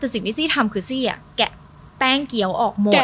แต่สิ่งที่ซี่ทำคือซี่แกะแป้งเกี้ยวออกหมด